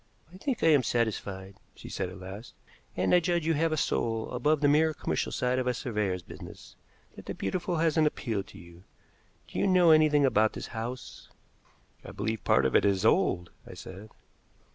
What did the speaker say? "I think I am satisfied," she said at last, "and I judge you have a soul above the mere commercial side of a surveyor's business that the beautiful has an appeal to you. Do you know anything about this house?" "I believe part of it is old," I said.